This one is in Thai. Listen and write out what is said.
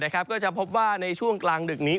ก็จะพบว่าในช่วงกลางดึกนี้